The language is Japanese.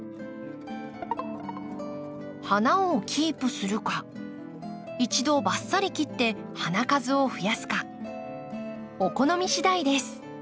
花をキープするか一度バッサリ切って花数を増やすかお好みしだいです。